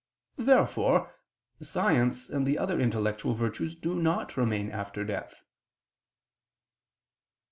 Therefore science and the other intellectual virtues do not remain after death.